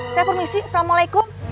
saya permisi assalamualaikum